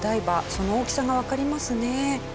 その大きさがわかりますね。